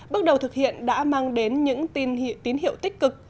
bước đầu thực hiện đã mang đến những tin tín hiệu tích cực